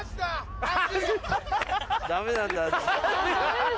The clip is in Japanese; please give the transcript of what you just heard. ダメなんだアジ。